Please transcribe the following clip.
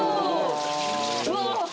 うわ。